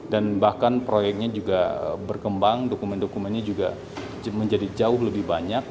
dan bahkan proyeknya juga berkembang dokumen dokumennya juga menjadi jauh lebih banyak